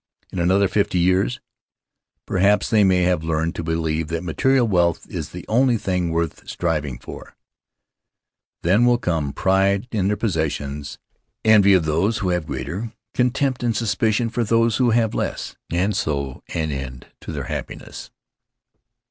In another fifty years, perhaps, they may have learned to believe that material wealth is the only thing worth striving for. Then will come In the Cloud of Islands pride in their possessions, envy of those who haye greater, contempt and suspicion for those who have less, and so an end to their happiness.